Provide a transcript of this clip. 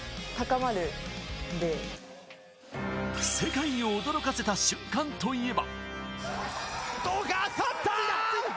世界を驚かせた瞬間といえば。